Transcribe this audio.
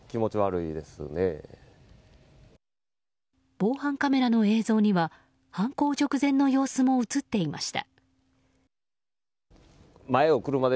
防犯カメラの映像には犯行直前の様子も映っていました。